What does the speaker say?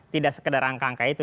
tidak sekedar angka angka itu